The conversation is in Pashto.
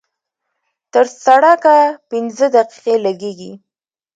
تر سړکه پينځه دقيقې لګېږي.